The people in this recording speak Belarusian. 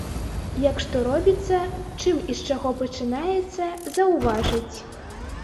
Як што робіцца, чым і з чаго пачынаецца, заўважыць.